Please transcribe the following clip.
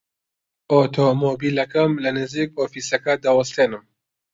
ئۆتۆمۆمبیلەکەم لە نزیک ئۆفیسەکە دەوەستێنم.